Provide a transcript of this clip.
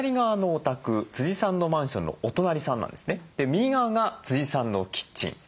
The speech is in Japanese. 右側がさんのキッチン。